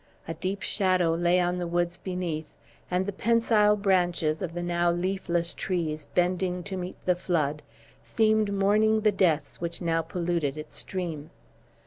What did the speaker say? A deep shadow lay on the woods beneath; and the pensile branches of the now leafless trees bending to meet the flood, seemed mourning the deaths which now polluted its stream.